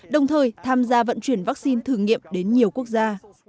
đồng thời tham gia vận chuyển vaccine thử nghiệm đến nhiều quốc gia